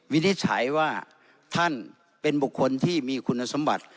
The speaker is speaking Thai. วินิจฉัยว่าท่านเป็นบุคคลที่มีคุณสมบัติ